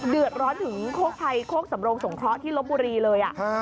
เดือดร้อนถึงโคกภัยโคกสำโรงสงเคราะห์ที่ลบบุรีเลย